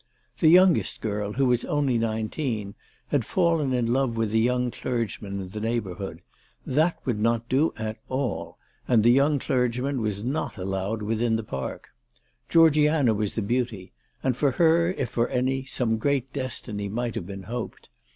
The youngest girl, who was only nineteen, had fallen in love with a young clergyman in the neigh bourhood. That would not do at all, and the young clergyman was not allowed within the Park. Georgiana was the beauty ; and for her, if for any, some great destiny might have been hoped.